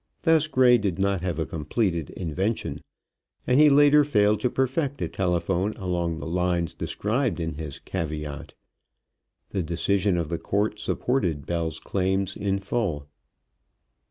Thus Gray did not have a completed invention, and he later failed to perfect a telephone along the lines described in his caveat. The decision of the court supported Bell's claims in full.